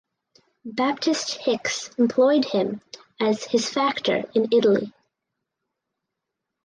Baptist Hicks employed him as his factor in Italy.